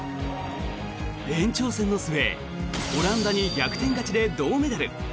延長戦の末オランダに逆転勝ちで銅メダル。